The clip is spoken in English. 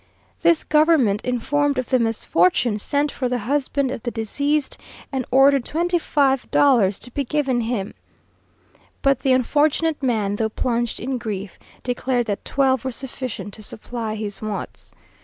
This government, informed of the misfortune, sent for the husband of the deceased, and ordered twenty five dollars to be given him; but the unfortunate man, though plunged in grief, declared that twelve were sufficient to supply his wants.